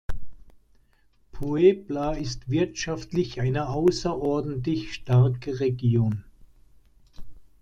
Puebla ist wirtschaftlich eine außerordentlich starke Region.